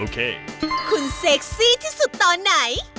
คุณเซ็กซี่ที่สุดตอนไหน